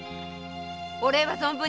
お礼は存分に。